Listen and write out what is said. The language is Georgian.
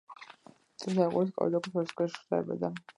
წმინდა ეპისკოპოსი კაბადოკიის კესარიაში დაიბადა.